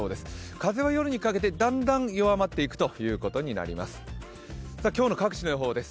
風は夜にかけてだんだん弱まっていくということになりそうです。